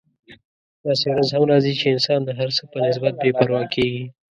داسې ورځ هم راځي چې انسان د هر څه په نسبت بې پروا کیږي.